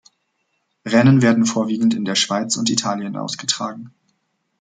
Rennen werden vorwiegend in der Schweiz und Italien ausgetragen.